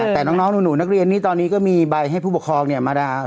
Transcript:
แต่น้องหมู่นักเรียนนี้ตอนนี้ก็มีใบให้ผู้ประคองเนี่ย